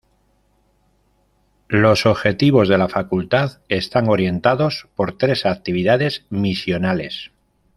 Los objetivos de la facultad están orientados por tres actividades misionales.